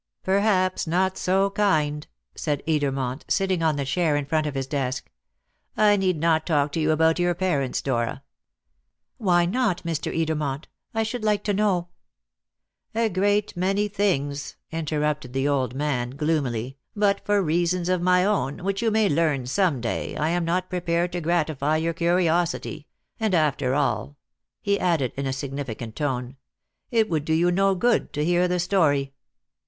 "Perhaps not so kind," said Edermont, sitting on the chair in front of his desk. "I need not talk to you about your parents, Dora." "Why not, Mr. Edermont? I should like to know " "A great many things," interrupted the old man gloomily; "but for reasons of my own, which you may learn some day, I am not prepared to gratify your curiosity; and after all," he added in a significant tone, "it would do you no good to hear the story."